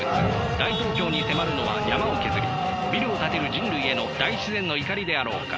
大東京に迫るのは山を削りビルを建てる人類への大自然の怒りであろうか。